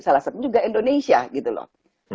salah satu juga indonesia gitu loh